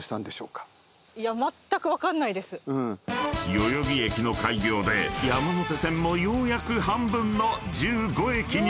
［代々木駅の開業で山手線もようやく半分の１５駅に］